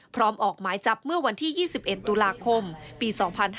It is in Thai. ออกหมายจับเมื่อวันที่๒๑ตุลาคมปี๒๕๕๙